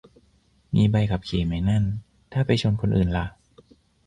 มีใบขับขี่ไหมนั่น ถ้าไปชนคนอื่นล่ะ